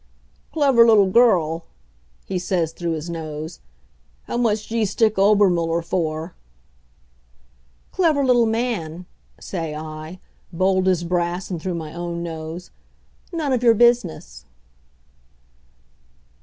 "Clever little girl," he says through his nose. "How much do you stick Obermuller for?" "Clever little man," say I, bold as brass and through my own nose; "none of your business."